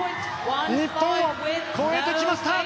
日本を超えてきました。